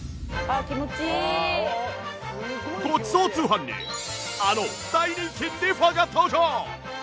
『ごちそう通販』にあの大人気リファが登場！